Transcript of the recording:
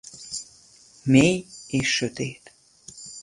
Mély és sötét.